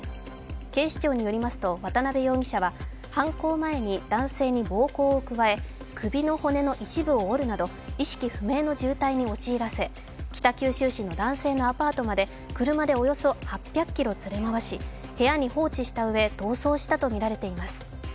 警視庁によりますと、渡辺容疑者は犯行前に男性に暴行を加え首の骨の一部を折るなど意識不明の重体に陥らせ、北九州市の男性のアパートまで車でおよそ８００ｋｍ連れ回し部屋に放置したうえ逃走したとみられています。